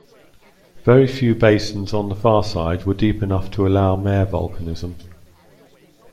Very few basins on the farside were deep enough to allow mare volcanism.